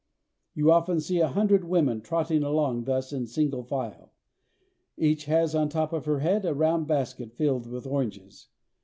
You often see a hundred women trotting along thus in single file. Each has on the top of her head a round basket filled with oranges.